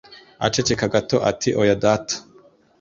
Aceceka gato ati: "Oya, Data".